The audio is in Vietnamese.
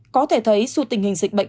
có thể thấy dù tình hình dịch bệnh